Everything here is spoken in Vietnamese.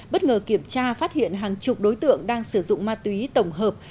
bất ngờ kiểm tra phát hiện hàng chục đối tượng đang sử dụng ma túy tổng hợp